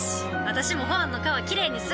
私もホアンの川きれいにする！